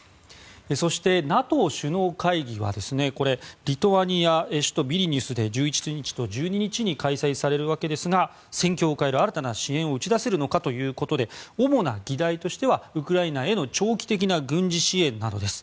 そして、ＮＡＴＯ首脳会議はリトアニアの首都ビリニュスで１１日と１２日に開催されるわけですが戦況を変える新たな支援を打ち出せるのかということで主な議題としてはウクライナへの長期的な軍事支援などです。